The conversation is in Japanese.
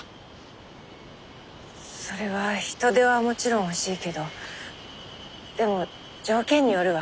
それは人手はもちろん欲しいけどでも条件によるわ。